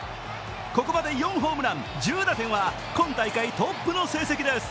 ここまで４ホームラン、１０打点は今大会トップの成績です。